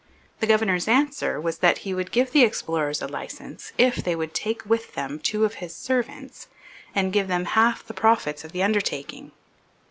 The governor's answer was that he would give the explorers a licence if they would take with them two of his servants and give them half the profits of the undertaking.